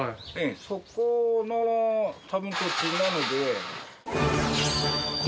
そこの多分土地なので。